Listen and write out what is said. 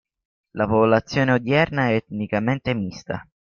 La popolazione odierna è etnicamente mista.